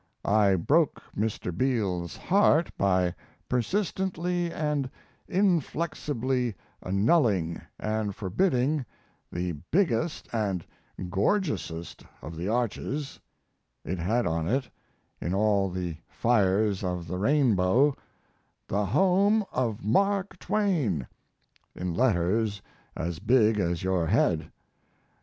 I broke Mr. Beals's heart by persistently and inflexibly annulling and forbidding the biggest and gorgeousest of the arches it had on it, in all the fires of the rainbow, "The Home of Mark Twain," in letters as big as your head.